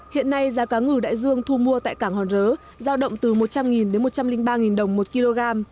hiện nay giá cá ngừ đại dương thu mua tại cảng hòn rớ giao động từ một trăm linh đến một trăm linh ba đồng một kg